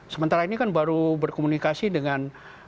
sementara ini kan baru berkomunikasi dengan